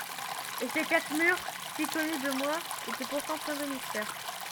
Et ces quatre murs, si connus de moi, étaient pourtant pleins de mystère.